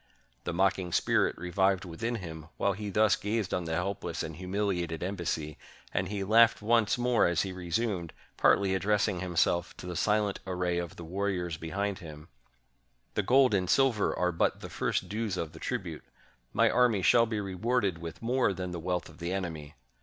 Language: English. The mocking spirit revived within him while he thus gazed on the helpless and humiliated embassy; and he laughed once more as he resumed, partly address ing himself to the silent array of the warriors behind him: — "The gold and silver are but the first dues of the tribute — my army shall be rewarded with more than the wealth of the enemy.